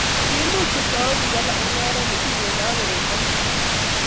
kiimuch kutou biik alak mung'arenk che tinyegei ak koroito nito